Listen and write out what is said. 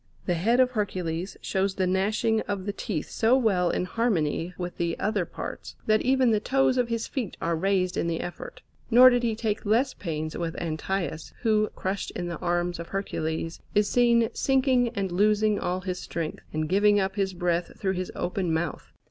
The head of Hercules shows the gnashing of the teeth so well in harmony with the other parts, that even the toes of his feet are raised in the effort. Nor did he take less pains with Antaeus, who, crushed in the arms of Hercules, is seen sinking and losing all his strength, and giving up his breath through his open mouth.